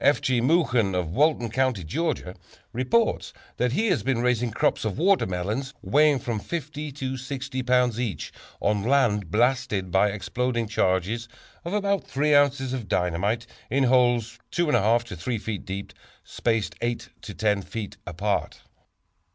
F. G. Moughon, of Walton County, Georgia, reports that he has been raising crops of watermelons, weighing from 50 to 60 pounds each, on land blasted by exploding charges of about 3 ounces of dynamite in holes 2 1/2 to 3 feet deep, spaced 8 to 10 feet apart.